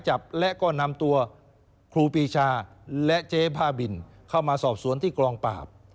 จับและก็นำตัวครูปีชาและเจ๊บ้าบินเข้ามาสอบสวนที่กองปราบ